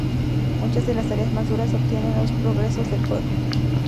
Muchas de las tareas más duras obtienen los progresos del juego.